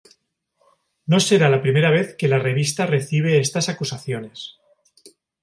No será la primera vez que la revista recibe estas acusaciones.